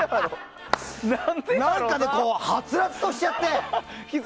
何か、はつらつとしちゃってさ。